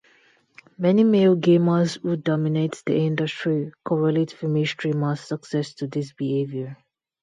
Many male gamers, who dominate the industry, correlate female streamers' success to this behavior.